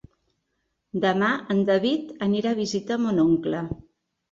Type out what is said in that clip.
Demà en David anirà a visitar mon oncle.